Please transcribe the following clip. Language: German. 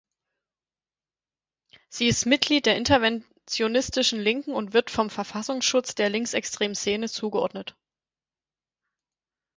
Sie ist Mitglied der interventionistischen Linken und wird vom Verfassungsschutz der linksextremen Szene zugeordnet.